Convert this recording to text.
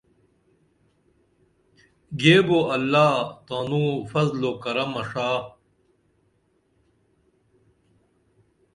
گیبو اللہ تانوں فضل و کرمہ ݜا